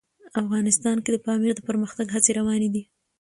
افغانستان کې د پامیر د پرمختګ هڅې روانې دي.